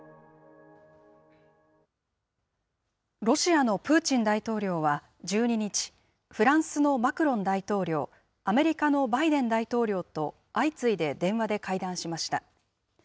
ロシアのプーチン大統領は、１２日、フランスのマクロン大統領、アメリカのバイデン大統領と相次いで電話で会談しました。